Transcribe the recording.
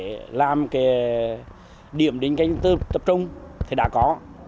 để làm cái điểm đỉnh canh tập trung thì đã có